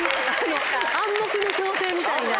暗黙の強制みたいな。